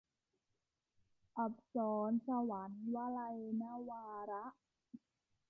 อัปสรสวรรค์ - วลัย นวาระ